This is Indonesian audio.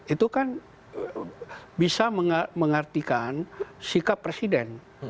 itu kan bisa mengartikan sikap presiden